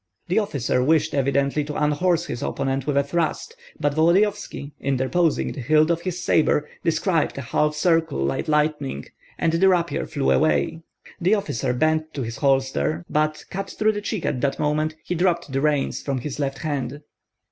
The officer wished evidently to unhorse his opponent with a thrust; but Volodyovski, interposing the hilt of his sabre, described a half circle like lightning, and the rapier flew away. The officer bent to his holsters, but, cut through the cheek at that moment, he dropped the reins from his left hand.